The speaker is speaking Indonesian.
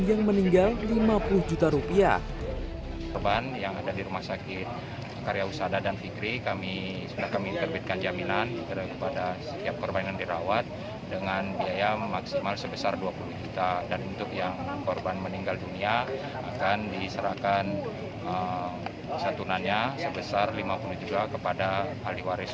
yang meninggal lima puluh juta rupiah